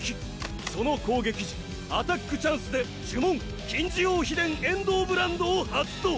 その攻撃時アタックチャンスで呪文禁時王秘伝エンドオブランドを発動。